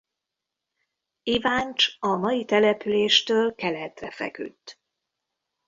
Iváncs a mai településtől keletre feküdt.